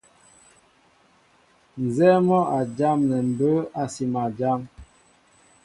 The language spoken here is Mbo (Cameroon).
Nzɛ́ɛ́ mɔ́ a jámɛ mbə̌ a sima jám.